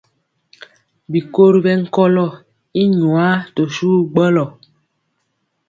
Bikori ɓɛnkɔlɔ i nwaa to suwu gbɔlɔ.